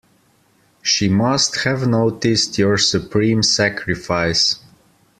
She must have noticed your supreme sacrifice.